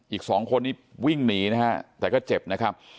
อีก๒คนนายวิ่งหนีแต่ก็เจ็บนะครับ